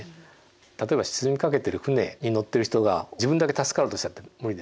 例えば沈みかけている船に乗っている人が自分だけ助かろうとしたって無理ですよね。